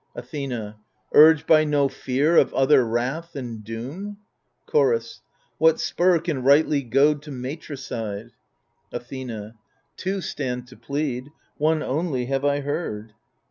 Athena Urged by no fear of other wrath and doom ? Chorus What spur can rightly goad to matricide ? Athena Two stand to plead — one only have I heard.